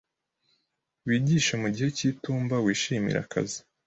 Wigishe mugihe cyitumba wishimire akazi